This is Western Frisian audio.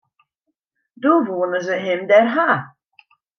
Doe woenen se him dêr ha.